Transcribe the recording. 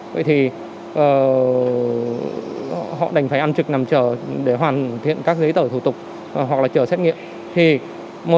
vậy thì họ đành phải ăn trực nằm chờ để hoàn thiện các giấy tờ thủ tục hoặc là chờ xét nghiệm